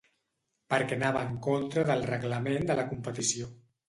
Perquè anava en contra del Reglament de la competició.